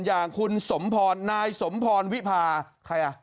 อย่างคุณสมพรนายสมพรวิพาใครอ่ะ